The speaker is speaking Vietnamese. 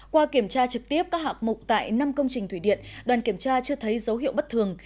qua kiểm tra trực tiếp các hạc mục tại năm công trình thủy điện đoàn kiểm tra chưa thấy dấu hiệu bất thường